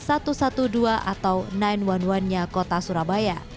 satu ratus dua belas atau sembilan satu nya kota surabaya